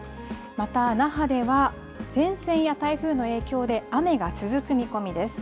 また那覇では前線や台風の影響で雨が続く見込みです。